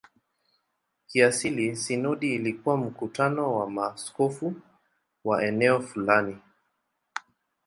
Kiasili sinodi ilikuwa mkutano wa maaskofu wa eneo fulani.